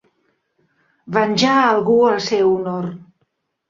Venjar algú el seu honor.